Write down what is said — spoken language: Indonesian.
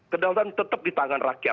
kedaulatan tetap di tangan rakyat